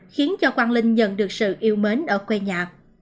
khiến cho quang linh nhận được sự yêu mến ở quê nhà